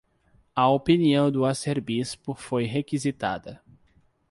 A opinião do arcebispo foi requisitada